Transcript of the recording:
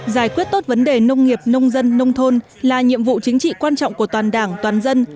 giải quyết tốt vấn đề nông nghiệp nông dân nông thôn là nhiệm vụ chính trị quan trọng của toàn đảng toàn dân